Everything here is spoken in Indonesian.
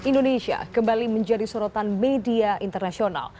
indonesia kembali menjadi sorotan media internasional